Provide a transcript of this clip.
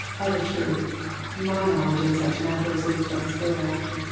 Hooker. Of a truth, my knowledge in such matters is but spare.